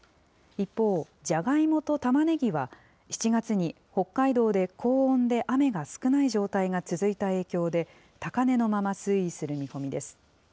一方、じゃがいもとたまねぎは７月に北海道で高温で雨が少ない状態が続いた影響で、高値のまま推移する見込みです。